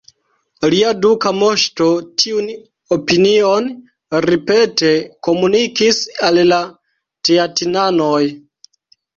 Lia duka moŝto tiun opinion ripete komunikis al la teatinanoj.